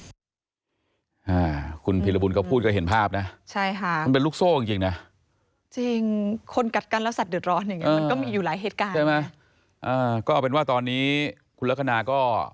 อ่าคุณผีรบุญก็พูดก็เห็นภาพนะใช่ค่ะมันเป็นลูกโซ่